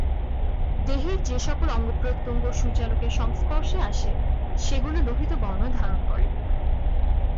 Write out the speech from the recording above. দেহের যে সকল অঙ্গ-প্রত্যঙ্গ সূর্যালোকের সংস্পর্শে আসে সেগুলো লোহিত বর্ণ ধারণ করে।